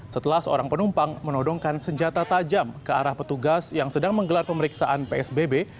setelah seorang penumpang menodongkan senjata tajam ke arah petugas yang sedang menggelar pemeriksaan psbb